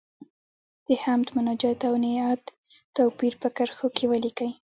د حمد، مناجات او نعت توپیر په کرښو کې ولیکئ.